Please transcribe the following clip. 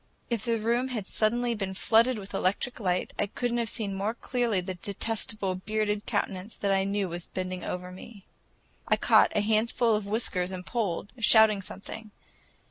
If the room had suddenly been flooded with electric light, I could n't have seen more clearly the detestable bearded countenance that I knew was bending over me. I caught a handful of whiskers and pulled, shouting something.